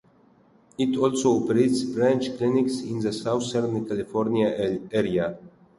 It also operates branch clinics in the Southern California area.